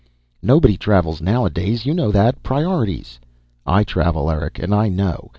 "Nobody travels nowadays. You know that. Priorities." "I travel, Eric. And I know.